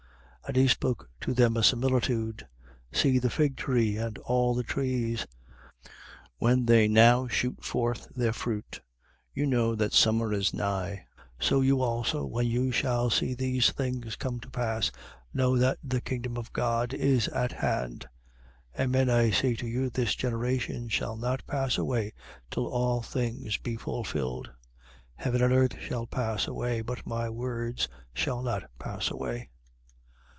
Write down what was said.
21:29. And he spoke to them a similitude. See the fig tree and all the trees: 21:30. When they now shoot forth their fruit, you know that summer is nigh; 21:31. So you also, when you shall see these things come to pass, know that the kingdom of God is at hand. 21:32. Amen, I say to you, this generation shall not pass away till all things be fulfilled. 21:33. Heaven and earth shall pass away: but my words shall not pass away.